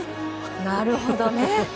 なるほどね。